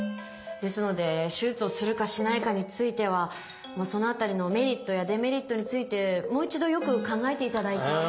ですので手術をするかしないかについてはその辺りのメリットやデメリットについてもう一度よく考えていただいて。